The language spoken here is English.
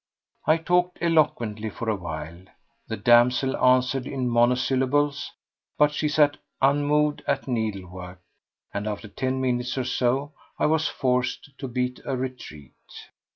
I talked eloquently for a while. The damsel answered in monosyllables, but she sat unmoved at needlework, and after ten minutes or so I was forced to beat a retreat.